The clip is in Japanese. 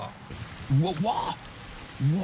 うわっうわ！